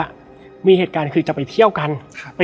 และวันนี้แขกรับเชิญที่จะมาเชิญที่เรา